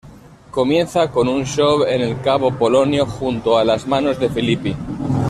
Comienza con un show en el Cabo Polonio junto a Las manos de Filippi.